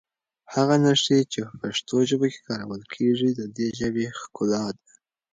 هغه نښې چې په پښتو ژبه کې کارول کېږي د دې ژبې ښکلا ده.